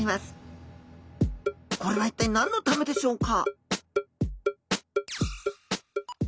これは一体何のためでしょうか？